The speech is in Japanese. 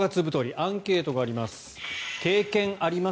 アンケートがあります。